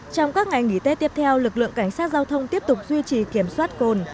trong các ngày nghỉ tết tiếp theo lực lượng cảnh sát giao thông tiếp tục duy trì kiểm soát cồn